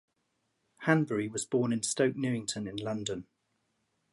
Hanbury was born in Stoke Newington in London.